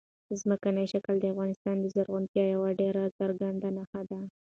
ځمکنی شکل د افغانستان د زرغونتیا یوه ډېره څرګنده نښه ده.